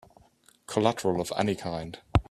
Collateral of any kind?